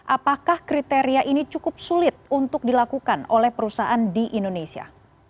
apakah kriteria ini cukup sulit untuk dilakukan oleh perusahaan di indonesia